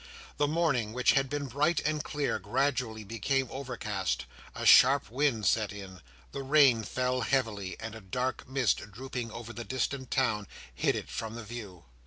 The morning, which had been bright and clear, gradually became overcast; a sharp wind set in; the rain fell heavily; and a dark mist drooping over the distant town, hid it from the view.